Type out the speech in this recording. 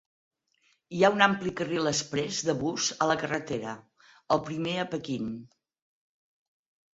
Hi ha un ampli carril exprés de bus a la carretera, el primer a Pequin.